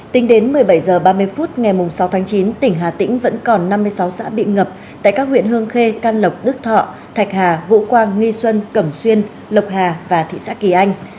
tính đến một mươi bảy h ba mươi phút ngày sáu tháng chín tỉnh hà tĩnh vẫn còn năm mươi sáu xã bị ngập tại các huyện hương khê can lộc đức thọ thạch hà vũ quang nghi xuân cẩm xuyên lộc hà và thị xã kỳ anh